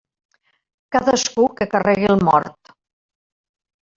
Cadascú que carregui el mort.